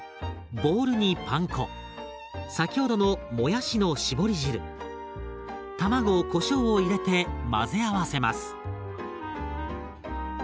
ボウルにパン粉先ほどのもやしの絞り汁卵こしょうを入れて混ぜ合わせます。